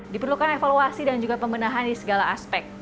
diperlukan evaluasi dan juga pembenahan di segala aspek